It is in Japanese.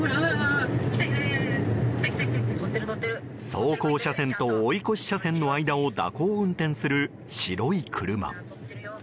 走行車線と追い越し車線の間を蛇行運転する白い車。